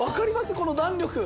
この弾力！